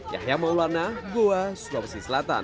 yahya maulana goa sulawesi selatan